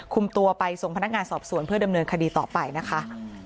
คุมตัวไปส่งพนักงานสอบสวนเพื่อดำเนินคดีต่อไปนะคะ